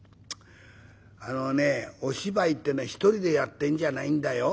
あのねお芝居ってね１人でやってんじゃないんだよ。